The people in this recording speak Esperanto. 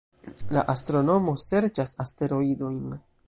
La astronomo serĉas asteroidojn